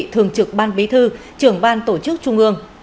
thường trực ban bí thư trưởng ban tổ chức trung ương